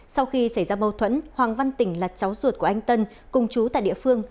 sau khi xảy ra mâu thuẫn hoàng văn tỉnh là cháu ruột của anh tân cùng chú tại địa phương